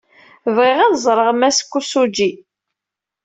Bɣiɣ ad ẓreɣ Mass Kosugi.